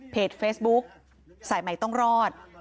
เฟซบุ๊คสายใหม่ต้องรอด